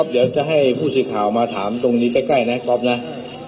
เดี๋ยวจะให้ผู้สื่อข่าวมาถามตรงนี้ใกล้นะก๊อฟนะ